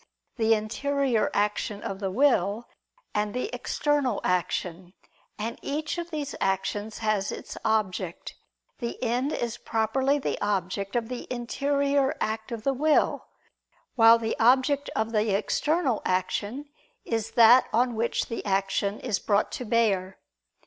the interior action of the will, and the external action: and each of these actions has its object. The end is properly the object of the interior act of the will: while the object of the external action, is that on which the action is brought to bear.